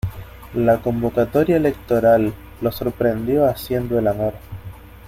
La convocatoria electoral los sorprendió haciendo el amor.